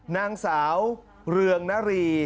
นางสาวเรืองนารี